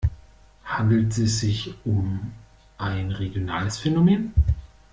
Handelt es sich um ein regionales Phänomen?